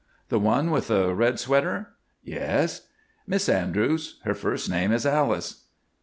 "The one with the red sweater?" "Yes." "Miss Andrews. Her first name is Alice."